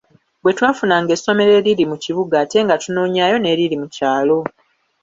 Bwe twafunanga essomero eriri mu kibuga, ate nga tunoonyaayo n’erili mu kyalo.